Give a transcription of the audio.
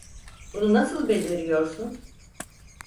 Bunu nasıl beceriyorsun?